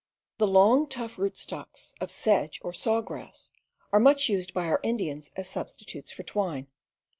The long, tough rootstocks of sedge or saw grass are much used by our Indians as substitutes for twine.